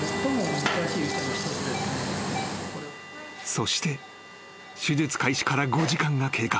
［そして手術開始から５時間が経過。